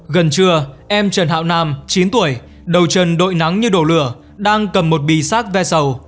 gần trưa em trần hạo nam chín tuổi đầu chân đội nắng như đổ lửa đang cầm một bì xác vẹt sầu